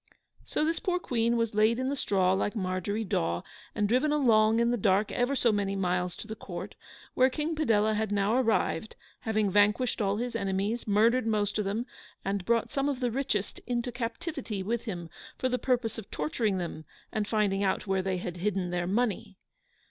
So this poor Queen was laid in the straw like Margery Daw, and driven along in the dark ever so many miles to the Court, where King Padella had now arrived, having vanquished all his enemies, murdered most of them, and brought some of the richest into captivity with him for the purpose of torturing them and finding out where they had hidden their money.